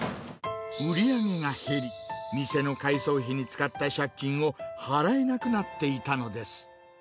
売り上げが減り、店の改装費に使った借金を、払えなくなっていたのです。